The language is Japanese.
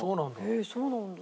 へえそうなんだ。